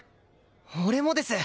俺もです！